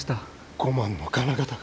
５万の金型が。